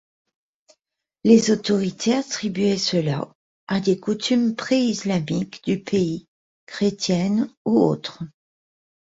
Les autorités attribuaient cela à des coutumes pré-islamiques du pays, chrétiennes ou autres.